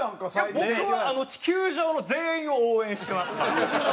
僕は地球上の全員を応援してますから。